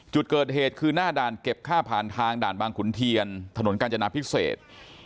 จุดเกิดเหตุคือหน้าด่านเก็บค่าผ่านทางด่านบางขุนเทียนถนนกาญจนาพิเศษ